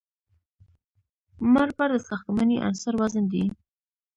مړ بار د ساختماني عنصر وزن دی